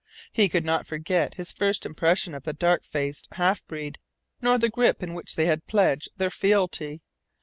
He could not forget his first impression of the dark faced half breed, nor the grip in which they had pledged their fealty.